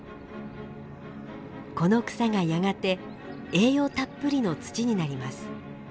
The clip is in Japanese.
この草がやがて栄養たっぷりの土になります。